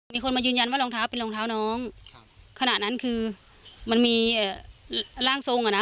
มีคนมายืนยันว่ารองเท้าเป็นรองเท้าน้องครับขณะนั้นคือมันมีร่างทรงอ่ะนะ